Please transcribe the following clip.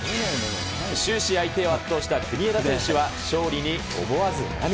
終始相手を圧倒した国枝選手は、勝利に思わず涙。